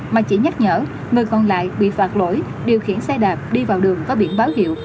mà chỉ nhắc nhở người còn lại bị phạt lỗi điều khiển xe đạp đi vào đường có biển báo hiệu